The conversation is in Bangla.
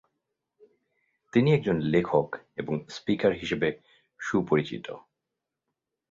তিনি একজন লেখক এবং স্পিকার হিসাবে সুপরিচিত।